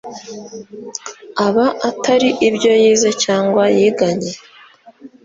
aba atari ibyo yize cyangwa yiganye